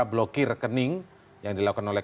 blokir rekening yang dilakukan oleh